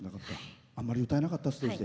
あまり歌えなかったか。